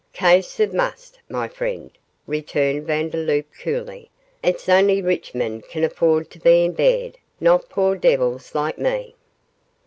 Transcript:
'Case of "must", my friend,' returned Vandeloup, coolly; 'it's only rich men can afford to be in bed, not poor devils like me.